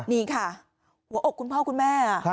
หัวอกคุณพ่อคุณแม่